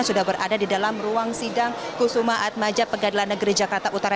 sudah berada di dalam ruang sidang kusumaat majap pengadilan negeri jakarta utara